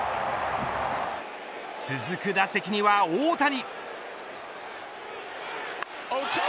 続く打席には大谷。